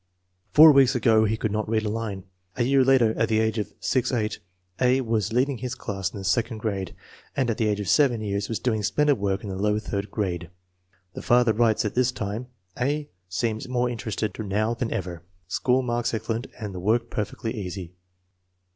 Four weeks ago he could not read a line." A year later, at the age of 6 8, A. was leading his class in the second grade, and at the age of 7 years was doing splendid work in the low third grade. The father writes at this time, " A. seems more interested now than ever. School marks excellent and the work perfectly easy."